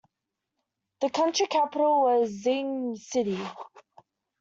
The county capital was Xinying City.